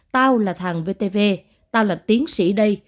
tao là thằng vtv tao là tiến sĩ đây